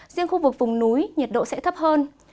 riêng khu vực vùng núi nhiệt độ sẽ thấp hơn